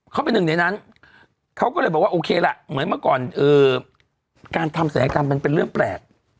เขาเป็นหนึ่งในนั้นเขาก็เลยบอกว่าโอเคล่ะเหมือนเมื่อก่อนการทำศัลยกรรมมันเป็นเรื่องแปลก